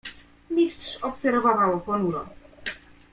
"Mistrz obserwował ponuro."